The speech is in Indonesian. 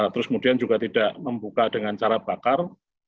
terus kemudian juga tidak membuka dengan cara bakar